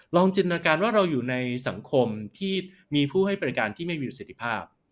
จินตนาการว่าเราอยู่ในสังคมที่มีผู้ให้บริการที่ไม่มีประสิทธิภาพ